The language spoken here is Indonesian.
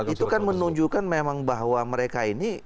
itu kan menunjukkan memang bahwa mereka ini